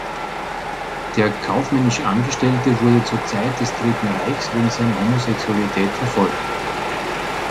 Der kaufmännische Angestellte wurde zur Zeit des Dritten Reichs wegen seiner Homosexualität verfolgt.